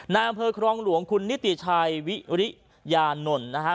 อำเภอครองหลวงคุณนิติชัยวิริยานนท์นะฮะ